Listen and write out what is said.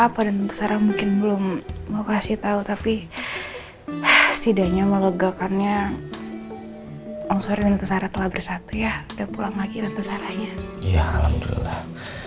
pantai pelan bersatu ya dua pulang lagi the suaranya ya alhamdulillah